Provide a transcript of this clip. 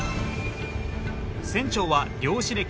船長は漁師歴